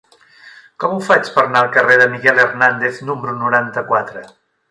Com ho faig per anar al carrer de Miguel Hernández número noranta-quatre?